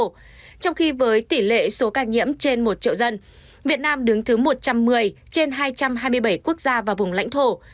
trong khi với tỷ lệ số ca nhiễm trên một triệu dân việt nam đứng thứ một trăm một mươi trên hai trăm hai mươi bảy quốc gia và vùng lãnh thổ